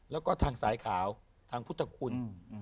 แล้วก็ทางสายขาวทางพุทธคุณ